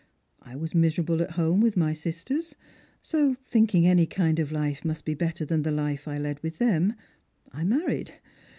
I was miserable at home with my sisters; so, thinking any kind of life must be better than the life I led with them, I married.